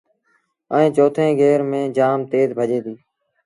ائيٚݩ چوٿيٚن گير ميݩ جآم تيز ڀڄي دو۔